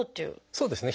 そうですね。